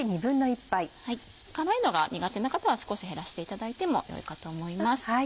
辛いのが苦手な方は少し減らしていただいても良いかと思います。